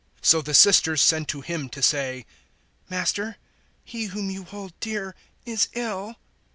011:003 So the sisters sent to Him to say, "Master, he whom you hold dear is ill."